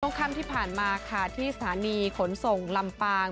ค่ำที่ผ่านมาค่ะที่สถานีขนส่งลำปาง